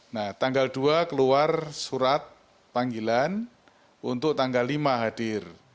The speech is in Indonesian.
nah tanggal dua keluar surat panggilan untuk tanggal lima hadir